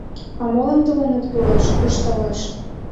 — А молан тыланет кӱлеш? — ышталеш.